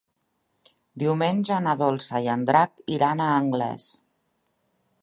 Diumenge na Dolça i en Drac iran a Anglès.